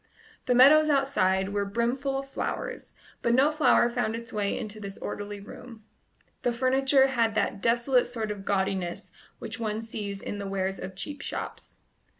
The meadows outside were brimful of flowers, but no flower found its way into this orderly room. The furniture had that desolate sort of gaudiness which one sees in the wares of cheap shops.